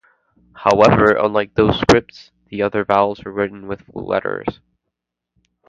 However, unlike those scripts, the other vowels are written with full letters.